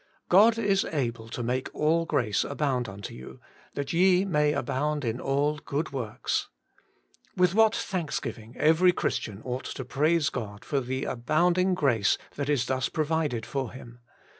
' God is able to make all grace abound unto you, that ye may abound in all good works.' With what thanksgiving every Christian ought to praise God for the abounding grace that is thus provided for him.